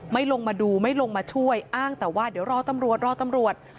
ลงมาดูไม่ลงมาช่วยอ้างแต่ว่าเดี๋ยวรอตำรวจรอตำรวจ